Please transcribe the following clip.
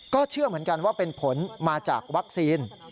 เชื่อเหมือนกันว่าเป็นผลมาจากวัคซีน